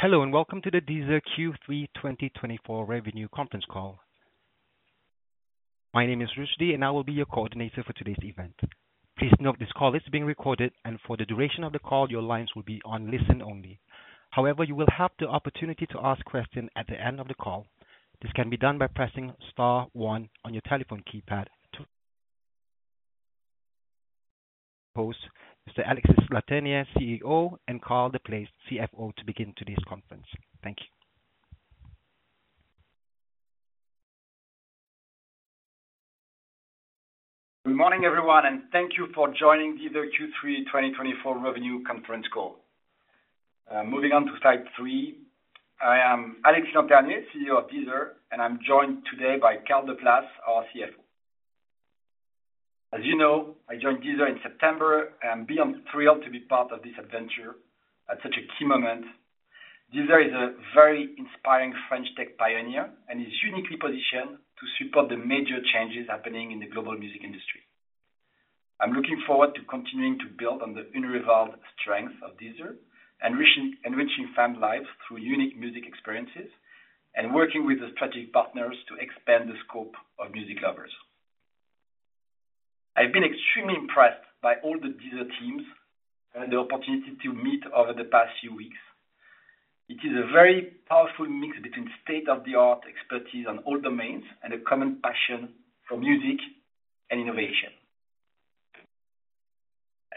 Hello, and welcome to the Deezer Q3 2024 revenue conference call. My name is Rushdie, and I will be your coordinator for today's event. Please note this call is being recorded, and for the duration of the call, your lines will be on listen only. However, you will have the opportunity to ask questions at the end of the call. This can be done by pressing star one on your telephone keypad to. Mr. Alexis Lanternier, CEO, and Carl de Place, CFO, to begin today's conference. Thank you. Good morning, everyone, and thank you for joining Deezer Q3 2024 revenue conference call. Moving on to slide three, I am Alexis Lanternier, CEO of Deezer, and I'm joined today by Carl de Place, our CFO. As you know, I joined Deezer in September, and I'm beyond thrilled to be part of this adventure at such a key moment. Deezer is a very inspiring French tech pioneer and is uniquely positioned to support the major changes happening in the global music industry. I'm looking forward to continuing to build on the unrivaled strength of Deezer, enriching fan lives through unique music experiences, and working with the strategic partners to expand the scope of music lovers. I've been extremely impressed by all the Deezer teams and the opportunity to meet over the past few weeks. It is a very powerful mix between state-of-the-art expertise on all domains and a common passion for music and innovation,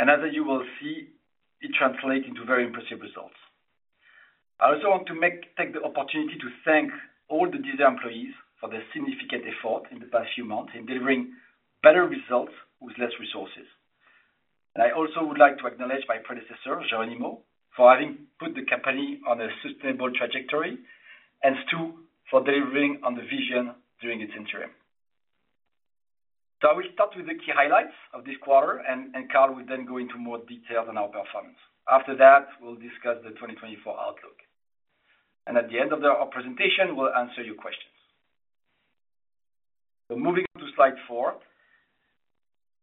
and as you will see, it translates into very impressive results. I also want to take the opportunity to thank all the Deezer employees for their significant effort in the past few months in delivering better results with less resources, and I also would like to acknowledge my predecessor, Jeronimo, for having put the company on a sustainable trajectory, and Stu for delivering on the vision during its interim, so I will start with the key highlights of this quarter, and Carl will then go into more detail on our performance. After that, we'll discuss the 2024 outlook, and at the end of our presentation, we'll answer your questions. So moving on to slide four,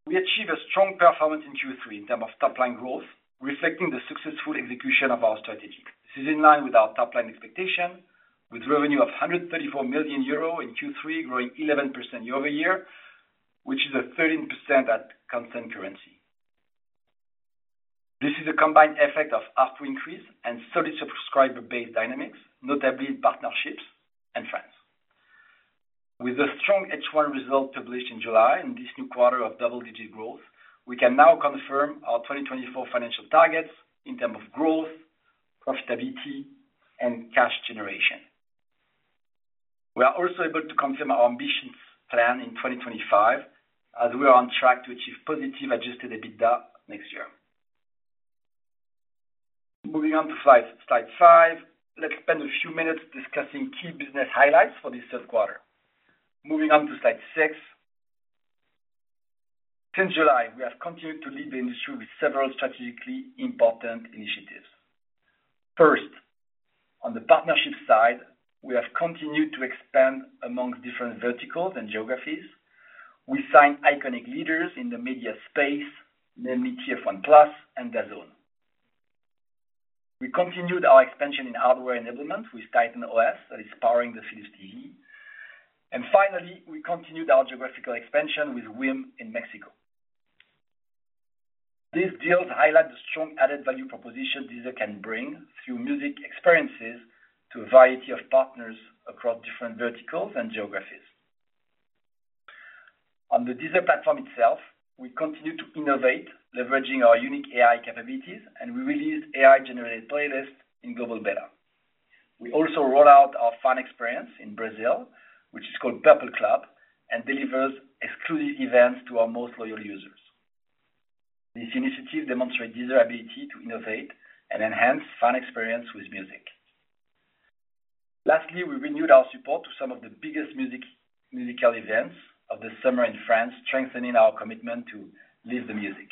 we achieved a strong performance in Q3 in terms of top-line growth, reflecting the successful execution of our strategy. This is in line with our top-line expectation, with a revenue of 134 million euro in Q3, growing 11% year over year, which is a 13% at constant currency. This is a combined effect of ARPU increase and solid subscriber base dynamics, notably in partnerships and France. With a strong H1 result published in July in this new quarter of double-digit growth, we can now confirm our 2024 financial targets in terms of growth, profitability, and cash generation. We are also able to confirm our ambitions planned in 2025, as we are on track to achieve positive Adjusted EBITDA next year. Moving on to slide five, let's spend a few minutes discussing key business highlights for this third quarter. Moving on to Slide 6, since July, we have continued to lead the industry with several strategically important initiatives. First, on the partnership side, we have continued to expand among different verticals and geographies. We signed iconic leaders in the media space, namely TF1+ and DAZN. We continued our expansion in hardware enablement with Titan OS that is powering the Philips TV. And finally, we continued our geographical expansion with WIM in Mexico. These deals highlight the strong added value proposition Deezer can bring through music experiences to a variety of partners across different verticals and geographies. On the Deezer platform itself, we continue to innovate, leveraging our unique AI capabilities, and we released AI-generated playlists in global beta. We also rolled out our fan experience in Brazil, which is called Purple Club and delivers exclusive events to our most loyal users. This initiative demonstrates Deezer's ability to innovate and enhance fan experience with music. Lastly, we renewed our support to some of the biggest musical events of the summer in France, strengthening our commitment to live the music.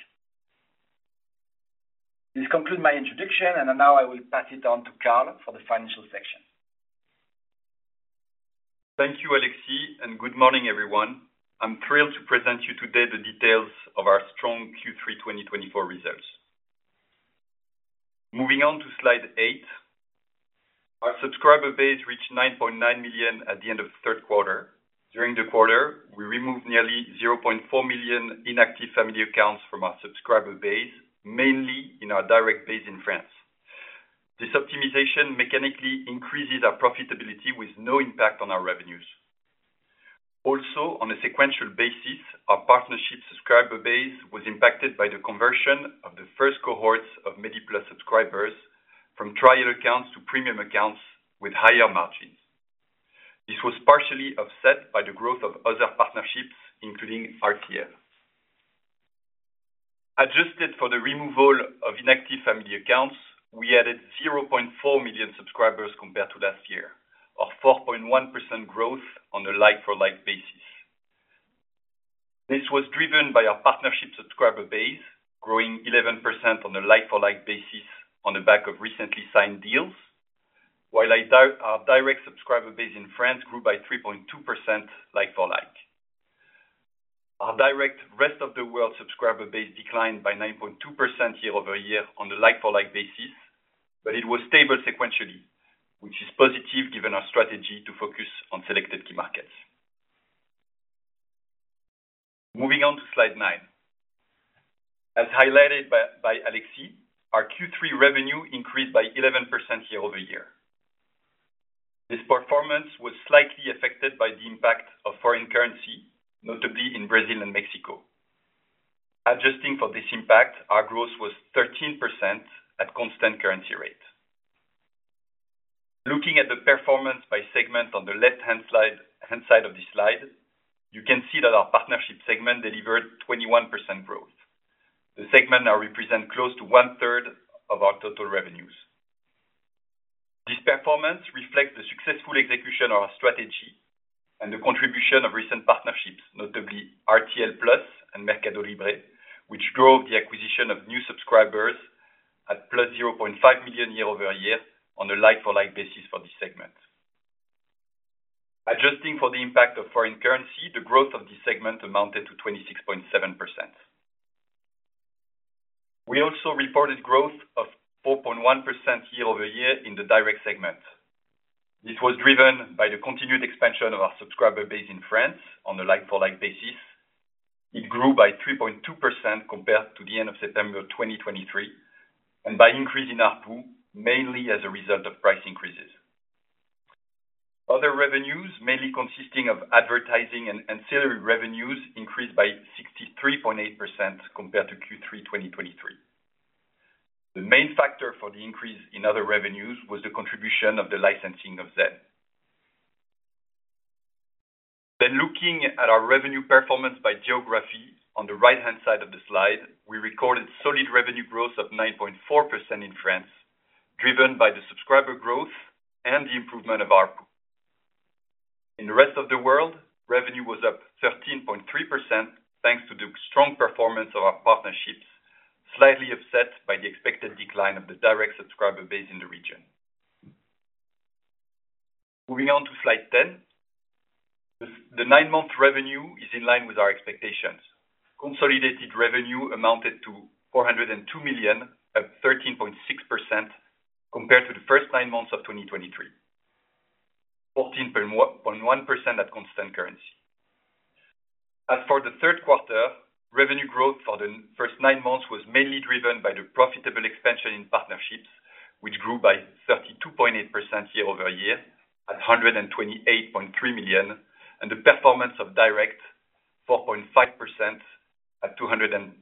This concludes my introduction, and now I will pass it on to Carl for the financial section. Thank you, Alexis, and good morning, everyone. I'm thrilled to present to you today the details of our strong Q3 2024 results. Moving on to slide eight, our subscriber base reached 9.9 million at the end of the third quarter. During the quarter, we removed nearly 0.4 million inactive family accounts from our subscriber base, mainly in our direct base in France. This optimization mechanically increases our profitability with no impact on our revenues. Also, on a sequential basis, our partnership subscriber base was impacted by the conversion of the first cohorts of Meli+ subscribers from trial accounts to premium accounts with higher margins. This was partially offset by the growth of other partnerships, including RTL. Adjusted for the removal of inactive family accounts, we added 0.4 million subscribers compared to last year, or 4.1% growth on a like-for-like basis. This was driven by our partnership subscriber base, growing 11% on a like-for-like basis on the back of recently signed deals, while our direct subscriber base in France grew by 3.2% like-for-like. Our direct rest-of-the-world subscriber base declined by 9.2% year-over-year on a like-for-like basis, but it was stable sequentially, which is positive given our strategy to focus on selected key markets. Moving on to Slide 9, as highlighted by Alexis, our Q3 revenue increased by 11% year-over-year. This performance was slightly affected by the impact of foreign currency, notably in Brazil and Mexico. Adjusting for this impact, our growth was 13% at constant currency rate. Looking at the performance by segment on the left-hand side of the slide, you can see that our partnership segment delivered 21% growth. The segment now represents close to one-third of our total revenues. This performance reflects the successful execution of our strategy and the contribution of recent partnerships, notably RTL+ and Mercado Libre, which drove the acquisition of new subscribers at plus 0.5 million year-over-year on a like-for-like basis for this segment. Adjusting for the impact of foreign currency, the growth of this segment amounted to 26.7%. We also reported growth of 4.1% year-over-year in the direct segment. This was driven by the continued expansion of our subscriber base in France on a like-for-like basis. It grew by 3.2% compared to the end of September 2023, and by increase in ARPU, mainly as a result of price increases. Other revenues, mainly consisting of advertising and ancillary revenues, increased by 63.8% compared to Q3 2023. The main factor for the increase in other revenues was the contribution of the licensing of Zen. Then, looking at our revenue performance by geography on the right-hand side of the slide, we recorded solid revenue growth of 9.4% in France, driven by the subscriber growth and the improvement of ARPU. In the rest of the world, revenue was up 13.3% thanks to the strong performance of our partnerships, slightly offset by the expected decline of the direct subscriber base in the region. Moving on to slide 10, the nine-month revenue is in line with our expectations. Consolidated revenue amounted to 402 million, up 13.6% compared to the first nine months of 2023, 14.1% at constant currency. As for the third quarter, revenue growth for the first nine months was mainly driven by the profitable expansion in partnerships, which grew by 32.8% year-over-year at 128.3 million, and the performance of direct, 4.5% at 257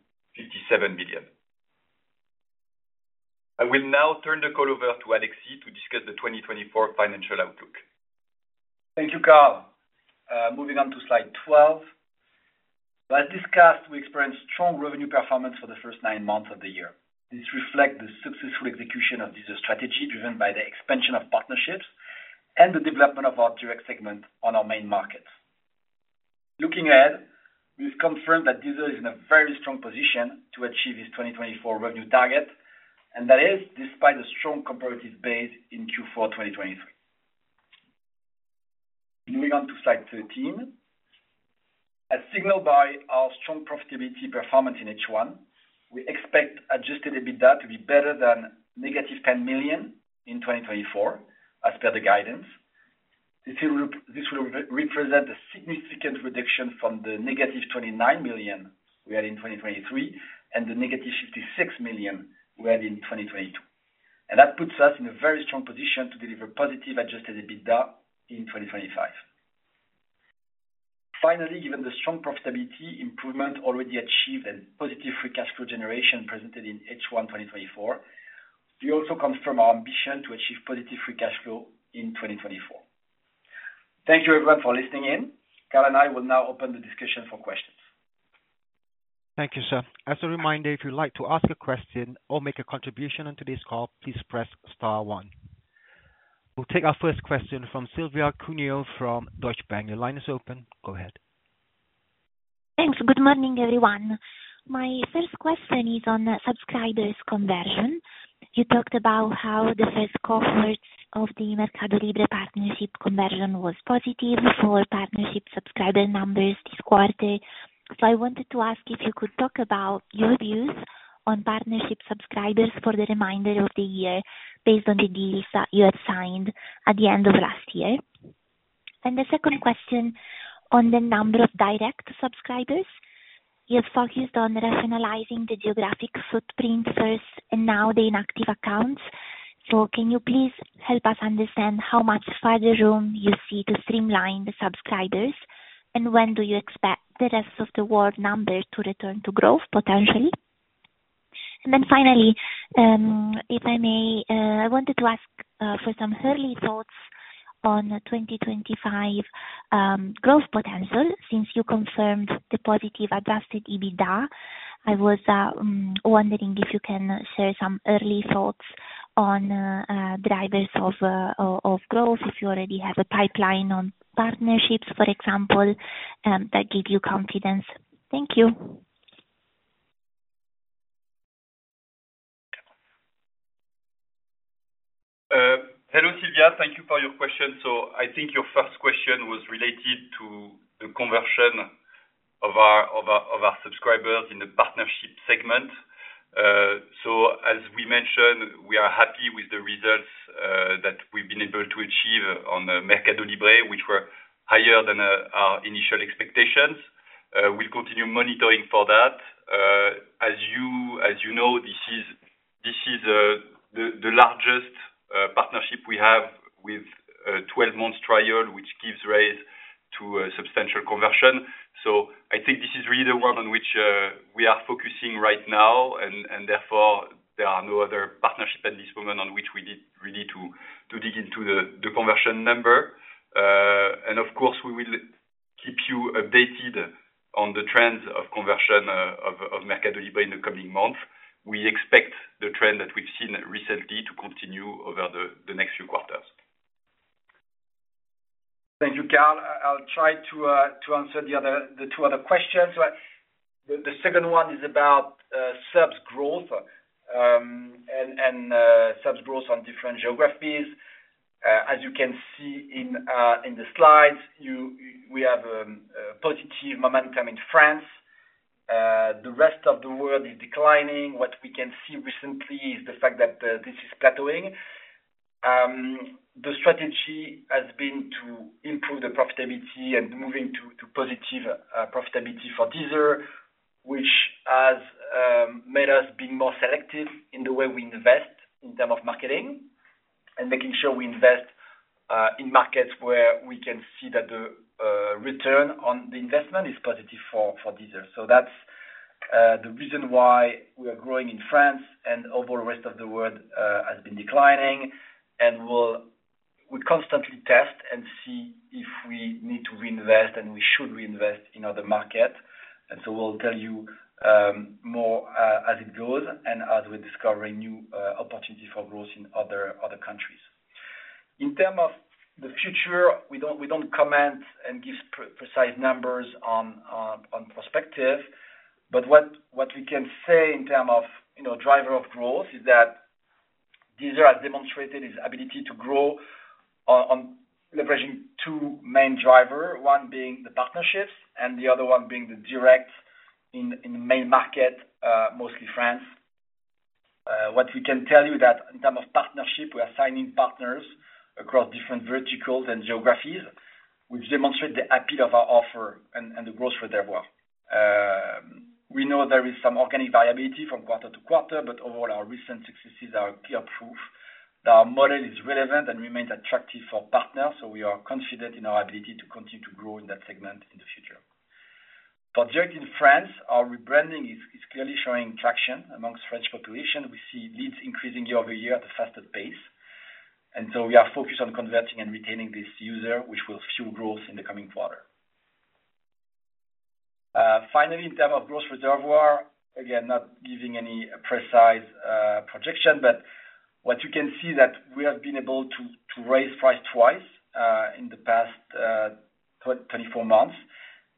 million. I will now turn the call over to Alexis to discuss the 2024 financial outlook. Thank you, Carl. Moving on to Slide 12, as discussed, we experienced strong revenue performance for the first nine months of the year. This reflects the successful execution of Deezer's strategy, driven by the expansion of partnerships and the development of our direct segment on our main markets. Looking ahead, we've confirmed that Deezer is in a very strong position to achieve its 2024 revenue target, and that is despite a strong comparative base in Q4 2023. Moving on to Slide 13, as signaled by our strong profitability performance in H1, we expect Adjusted EBITDA to be better than -10 million in 2024, as per the guidance. This will represent a significant reduction from the -29 million we had in 2023 and the -56 million we had in 2022. And that puts us in a very strong position to deliver positive Adjusted EBITDA in 2025. Finally, given the strong profitability improvement already achieved and positive free cash flow generation presented in H1 2024, we also confirm our ambition to achieve positive free cash flow in 2024. Thank you, everyone, for listening in. Carl and I will now open the discussion for questions. Thank you, sir. As a reminder, if you'd like to ask a question or make a contribution on today's call, please press star one. We'll take our first question from Silvia Cuneo from Deutsche Bank. Your line is open. Go ahead. Thanks. Good morning, everyone. My first question is on subscribers' conversion. You talked about how the first quarter of the Mercado Libre partnership conversion was positive for partnership subscriber numbers this quarter. So I wanted to ask if you could talk about your views on partnership subscribers for the remainder of the year based on the deals you had signed at the end of last year. And the second question on the number of direct subscribers. You've focused on rationalizing the geographic footprint first and now the inactive accounts. So can you please help us understand how much further room you see to streamline the subscribers, and when do you expect the rest of the world number to return to growth potentially? And then finally, if I may, I wanted to ask for some early thoughts on 2025 growth potential since you confirmed the positive Adjusted EBITDA. I was wondering if you can share some early thoughts on drivers of growth, if you already have a pipeline on partnerships, for example, that gave you confidence. Thank you. Hello, Silvia. Thank you for your question, so I think your first question was related to the conversion of our subscribers in the partnership segment, so as we mentioned, we are happy with the results that we've been able to achieve on Mercado Libre, which were higher than our initial expectations. We'll continue monitoring for that. As you know, this is the largest partnership we have with a 12-month trial, which gives rise to a substantial conversion, so I think this is really the one on which we are focusing right now, and therefore, there are no other partnerships at this moment on which we need to dig into the conversion number, and of course, we will keep you updated on the trends of conversion of Mercado Libre in the coming months. We expect the trend that we've seen recently to continue over the next few quarters. Thank you, Carl. I'll try to answer the two other questions. The second one is about subs growth and subs growth on different geographies. As you can see in the slides, we have a positive momentum in France. The rest of the world is declining. What we can see recently is the fact that this is plateauing. The strategy has been to improve the profitability and moving to positive profitability for Deezer, which has made us be more selective in the way we invest in terms of marketing and making sure we invest in markets where we can see that the return on the investment is positive for Deezer. So that's the reason why we are growing in France and over the rest of the world has been declining. And we'll constantly test and see if we need to reinvest and we should reinvest in other markets. And so we'll tell you more as it goes and as we're discovering new opportunities for growth in other countries. In terms of the future, we don't comment and give precise numbers on prospects. But what we can say in terms of drivers of growth is that Deezer has demonstrated its ability to grow on leveraging two main drivers, one being the partnerships and the other one being the direct in the main market, mostly France. What we can tell you is that in terms of partnership, we are signing partners across different verticals and geographies, which demonstrates the appeal of our offer and the growth reservoir. We know there is some organic variability from quarter to quarter, but overall, our recent successes are clear proof that our model is relevant and remains attractive for partners. We are confident in our ability to continue to grow in that segment in the future. For direct in France, our rebranding is clearly showing traction among French populations. We see leads increasing year-over-year at a faster pace. And so we are focused on converting and retaining this user, which will fuel growth in the coming quarter. Finally, in terms of growth reservoir, again, not giving any precise projection, but what you can see is that we have been able to raise price twice in the past 24 months.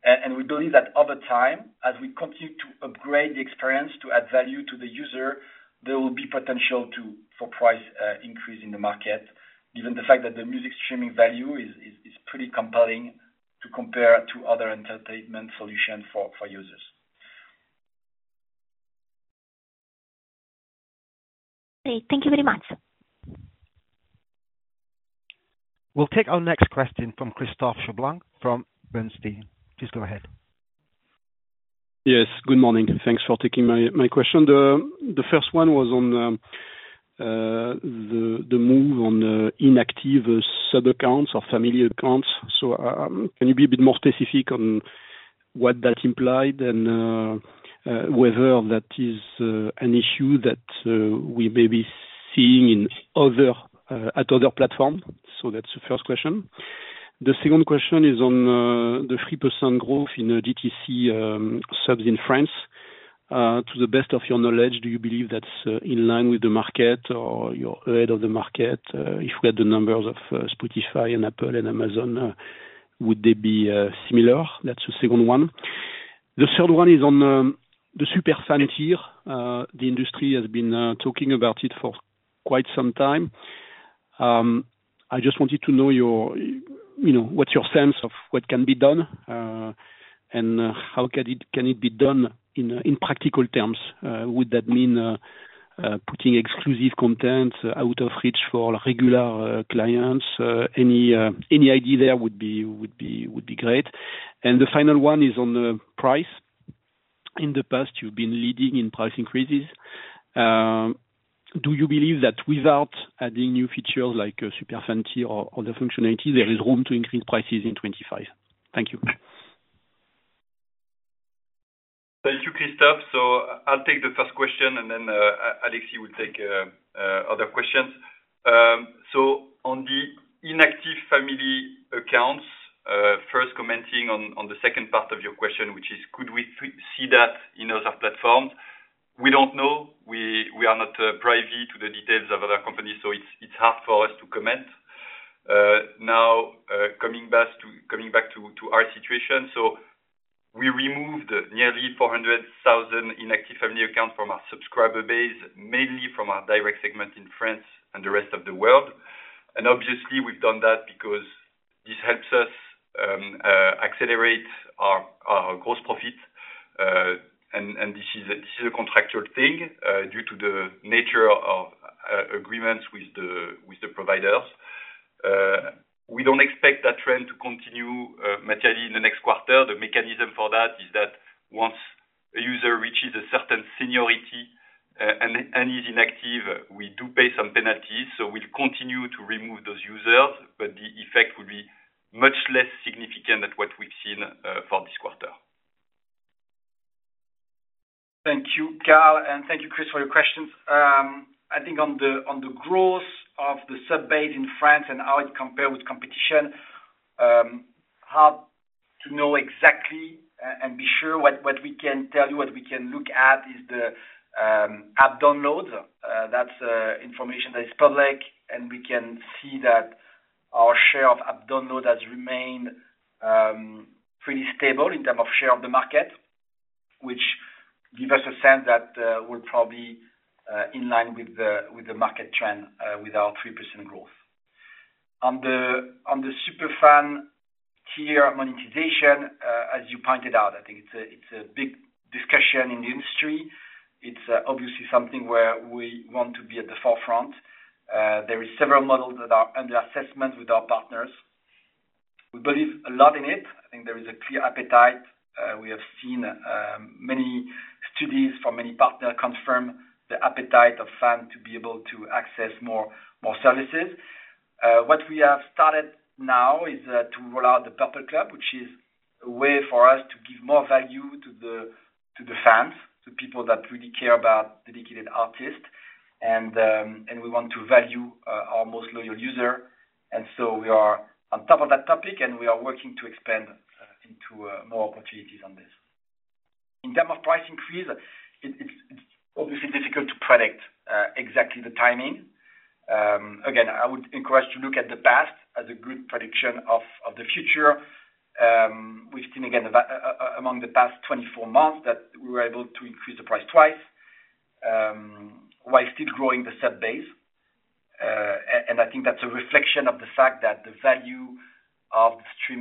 And we believe that over time, as we continue to upgrade the experience to add value to the user, there will be potential for price increase in the market, given the fact that the music streaming value is pretty compelling to compare to other entertainment solutions for users. Okay. Thank you very much. We'll take our next question from Christophe Cherblanc from Bernstein. Please go ahead. Yes. Good morning. Thanks for taking my question. The first one was on the move on inactive sub-accounts or family accounts. So can you be a bit more specific on what that implied and whether that is an issue that we may be seeing at other platforms? So that's the first question. The second question is on the 3% growth in DTC subs in France. To the best of your knowledge, do you believe that's in line with the market or you're ahead of the market? If we had the numbers of Spotify and Apple and Amazon, would they be similar? That's the second one. The third one is on the super fan tier. The industry has been talking about it for quite some time. I just wanted to know what's your sense of what can be done and how can it be done in practical terms? Would that mean putting exclusive content out of reach for regular clients? Any idea there would be great. And the final one is on the price. In the past, you've been leading in price increases. Do you believe that without adding new features like super fan tier or other functionalities, there is room to increase prices in 2025? Thank you. Thank you, Christophe. So I'll take the first question, and then Alexis will take other questions. So on the inactive family accounts, first commenting on the second part of your question, which is, could we see that in other platforms? We don't know. We are not privy to the details of other companies, so it's hard for us to comment. Now, coming back to our situation, so we removed nearly 400,000 inactive family accounts from our subscriber base, mainly from our direct segment in France and the rest of the world. And obviously, we've done that because this helps us accelerate our gross profit. And this is a contractual thing due to the nature of agreements with the providers. We don't expect that trend to continue materially in the next quarter. The mechanism for that is that once a user reaches a certain seniority and is inactive, we do pay some penalties, so we'll continue to remove those users, but the effect will be much less significant than what we've seen for this quarter. Thank you, Carl, and thank you, Chris, for your questions. I think, on the growth of the sub base in France and how it compares with competition, hard to know exactly and be sure. What we can tell you, what we can look at, is the app downloads. That's information that is public, and we can see that our share of app downloads has remained pretty stable in terms of share of the market, which gives us a sense that we're probably in line with the market trend with our 3% growth. On the super fan tier monetization, as you pointed out, I think it's a big discussion in the industry. It's obviously something where we want to be at the forefront. There are several models that are under assessment with our partners. We believe a lot in it. I think there is a clear appetite. We have seen many studies from many partners confirm the appetite of fans to be able to access more services. What we have started now is to roll out the Purple Club, which is a way for us to give more value to the fans, to people that really care about dedicated artists, and we want to value our most loyal users, and so we are on top of that topic, and we are working to expand into more opportunities on this. In terms of price increase, it's obviously difficult to predict exactly the timing. Again, I would encourage you to look at the past as a good prediction of the future. We've seen, again, among the past 24 months that we were able to increase the price twice while still growing the sub base. And I think that's a reflection of the fact that the value of the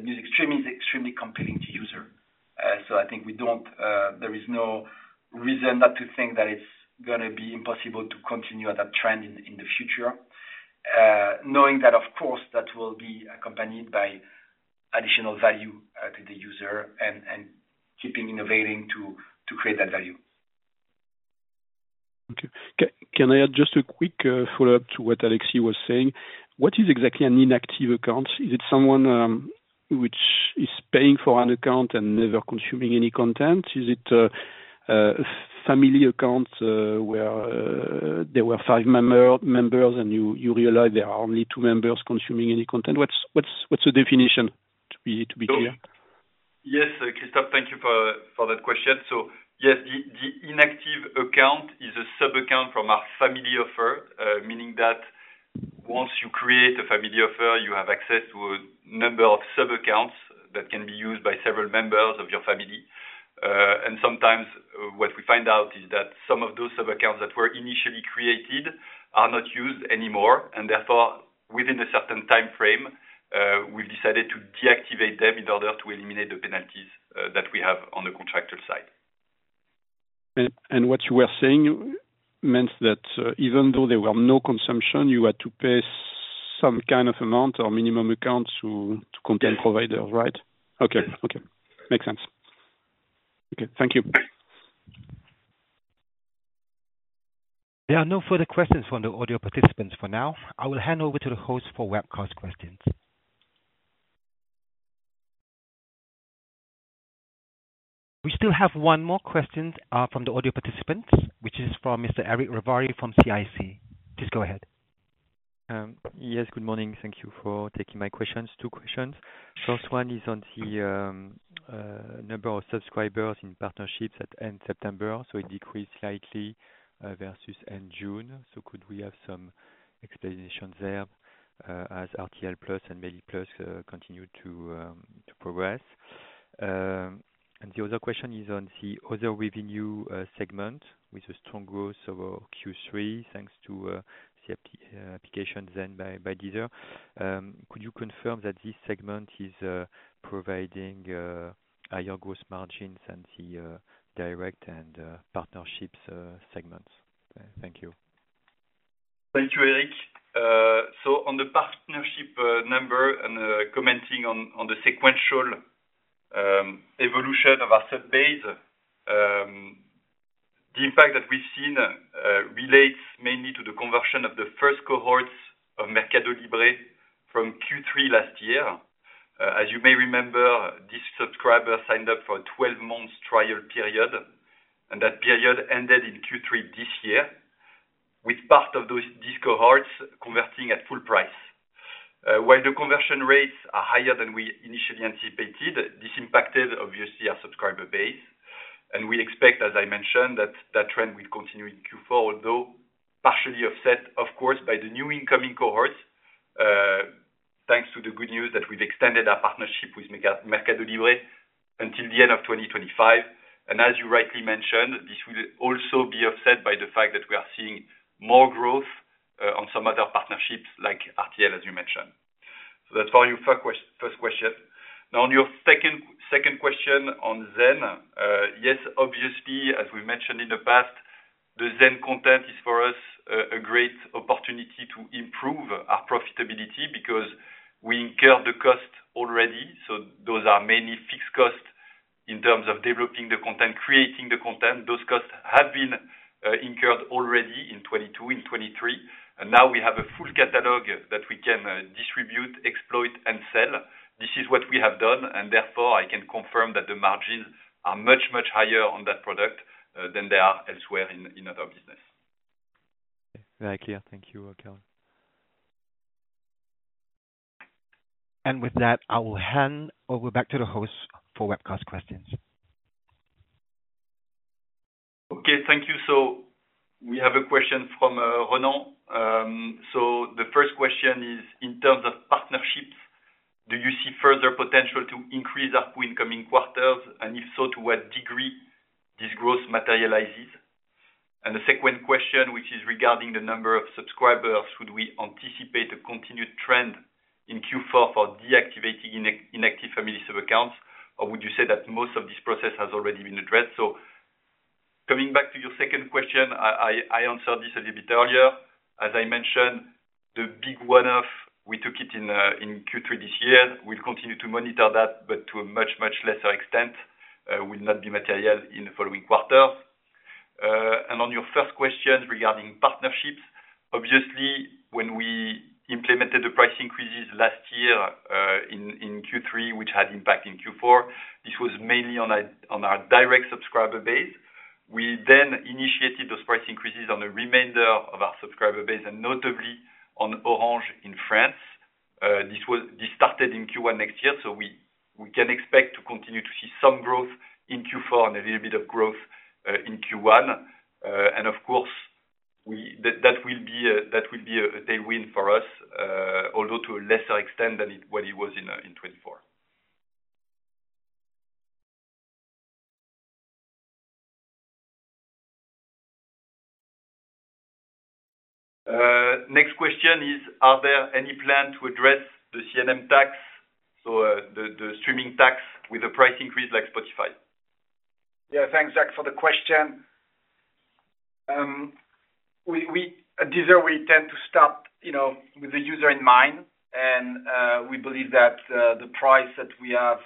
music streaming is extremely compelling to users. So I think there is no reason not to think that it's going to be impossible to continue at that trend in the future, knowing that, of course, that will be accompanied by additional value to the user and keeping innovating to create that value. Thank you. Can I add just a quick follow-up to what Alexis was saying? What is exactly an inactive account? Is it someone which is paying for an account and never consuming any content? Is it a family account where there were five members, and you realize there are only two members consuming any content? What's the definition, to be clear? Yes, Christophe, thank you for that question. So yes, the inactive account is a sub account from our family offer, meaning that once you create a family offer, you have access to a number of sub accounts that can be used by several members of your family. And sometimes what we find out is that some of those sub accounts that were initially created are not used anymore. And therefore, within a certain time frame, we've decided to deactivate them in order to eliminate the penalties that we have on the contractor side. What you were saying meant that even though there were no consumption, you had to pay some kind of amount or minimum amount to content providers, right? Okay. Okay. Makes sense. Okay. Thank you. There are no further questions from the audio participants for now. I will hand over to the host for webcast questions. We still have one more question from the audio participants, which is from Mr. Eric Ravary from CIC. Please go ahead. Yes. Good morning. Thank you for taking my questions. Two questions. First one is on the number of subscribers in partnerships at end September. So it decreased slightly versus end June. So could we have some explanation there as RTL+ and Meli+ continue to progress? And the other question is on the other revenue segment with a strong growth over Q3 thanks to the application Zen by Deezer. Could you confirm that this segment is providing higher gross margins than the direct and partnerships segments? Thank you. Thank you, Eric. So on the partnership number and commenting on the sequential evolution of our sub base, the impact that we've seen relates mainly to the conversion of the first cohorts of Mercado Libre from Q3 last year. As you may remember, these subscribers signed up for a 12-month trial period, and that period ended in Q3 this year, with part of these cohorts converting at full price. While the conversion rates are higher than we initially anticipated, this impacted, obviously, our subscriber base. And we expect, as I mentioned, that that trend will continue in Q4, although partially offset, of course, by the new incoming cohorts, thanks to the good news that we've extended our partnership with Mercado Libre until the end of 2025. And as you rightly mentioned, this will also be offset by the fact that we are seeing more growth on some other partnerships like RTL, as you mentioned. So that's for your first question. Now, on your second question on Zen, yes, obviously, as we mentioned in the past, the Zen content is for us a great opportunity to improve our profitability because we incurred the cost already. So those are mainly fixed costs in terms of developing the content, creating the content. Those costs have been incurred already in 2022, in 2023. And now we have a full catalog that we can distribute, exploit, and sell. This is what we have done. And therefore, I can confirm that the margins are much, much higher on that product than they are elsewhere in other business. Very clear. Thank you, Carl. With that, I will hand over back to the host for webcast questions. Okay. Thank you. So we have a question from Ronan. So the first question is, in terms of partnerships, do you see further potential to increase our pool in coming quarters? And if so, to what degree this growth materializes? And the second question, which is regarding the number of subscribers, would we anticipate a continued trend in Q4 for deactivating inactive family sub accounts? Or would you say that most of this process has already been addressed? So coming back to your second question, I answered this a little bit earlier. As I mentioned, the big one-off, we took it in Q3 this year. We'll continue to monitor that, but to a much, much lesser extent. It will not be material in the following quarters. On your first question regarding partnerships, obviously, when we implemented the price increases last year in Q3, which had impact in Q4, this was mainly on our direct subscriber base. We then initiated those price increases on the remainder of our subscriber base, and notably on Orange in France. This started in Q1 next year. So we can expect to continue to see some growth in Q4 and a little bit of growth in Q1. And of course, that will be a tailwind for us, although to a lesser extent than what it was in 2024. Next question is, are there any plans to address the CNM tax, so the streaming tax with a price increase like Spotify? Yeah. Thanks, Jack, for the question. At Deezer, we tend to start with the user in mind, and we believe that the price that we have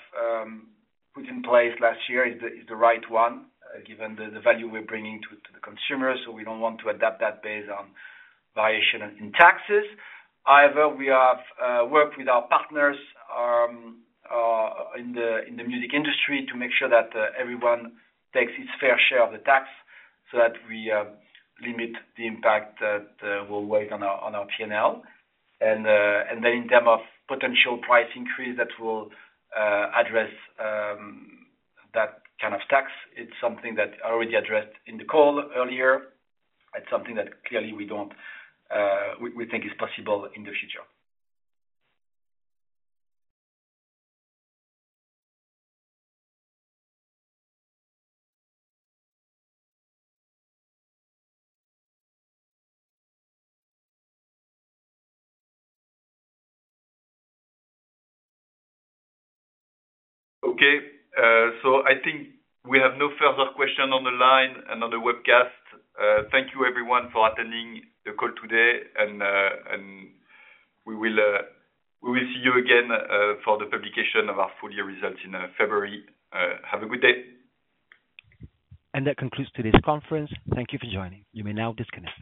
put in place last year is the right one given the value we're bringing to the consumers, so we don't want to adapt that based on variation in taxes. However, we have worked with our partners in the music industry to make sure that everyone takes his fair share of the tax so that we limit the impact that will weigh on our P&L, and then in terms of potential price increase that will address that kind of tax, it's something that I already addressed in the call earlier. It's something that clearly we think is possible in the future. Okay. So I think we have no further questions on the line and on the webcast. Thank you, everyone, for attending the call today. And we will see you again for the publication of our full year results in February. Have a good day. That concludes today's conference. Thank you for joining. You may now disconnect.